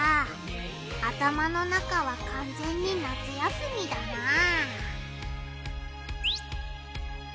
頭の中はかんぜんに夏休みだなあ。